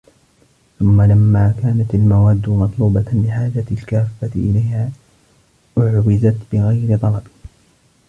ثُمَّ لَمَّا كَانَتْ الْمَوَادُّ مَطْلُوبَةً لِحَاجَةِ الْكَافَّةِ إلَيْهَا أُعْوِزَتْ بِغَيْرِ طَلَبٍ